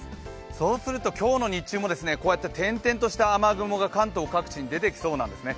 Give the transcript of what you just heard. そうすると今日の日中もこうやって点々とした雨雲が関東各地に出てきそうなんですね。